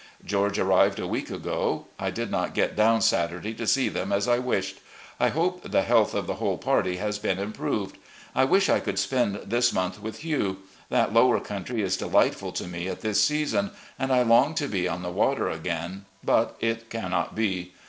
George arrived a week ago. I did not get down Saturday to see them as I wished. I hope the health of the whole party has been improved. I wish I could spend this month with you. That lower cotmtry is delightftd to me at this season, and I long to be on the water again, but it cannot be.